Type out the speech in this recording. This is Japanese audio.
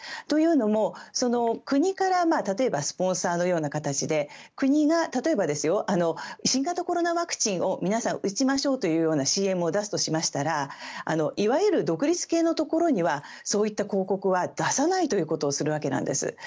というのも、国から例えばスポンサーのような形で国が例えば、新型コロナワクチンを皆さん打ちましょうというようなＣＭを出すとしましたらいわゆる独立系のところにはそういった広告は出さないということをするわけなんです。